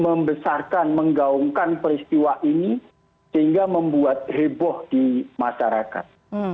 membesarkan menggaungkan peristiwa ini sehingga membuat heboh di masyarakat